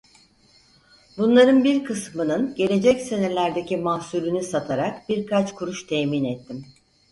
Bunların bir kısmının gelecek senelerdeki mahsulünü satarak birkaç kuruş temin ettim.